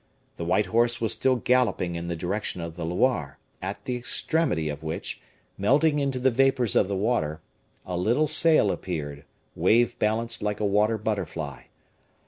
The white horse was still galloping in the direction of the Loire, at the extremity of which, melting into the vapors of the water, a little sail appeared, wave balanced like a water butterfly.